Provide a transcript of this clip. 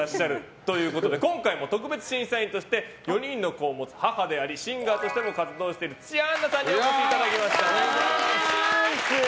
今回も特別審査員として４人の子を持つ母でありシンガーとしても活動している土屋アンナさんにお越しいただきました。